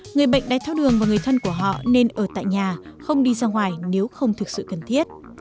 người bệnh đai thao đường và người thân của họ nên ở tại nhà không đi ra ngoài nếu không thực sự cần thiết